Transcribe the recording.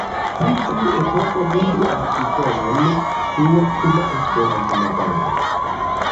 Pri tiu epoko vidu artikolon Frua Kuba Esperanto-movado.